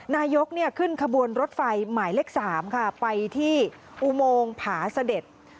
นายกขึ้นขบวนรถไฟหมายเลข๓ค่ะไปที่อุโมงผาเสด็จ